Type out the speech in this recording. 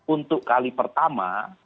untuk kali pertama